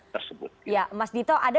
tersebut ya mas dito ada